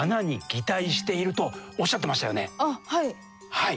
はい。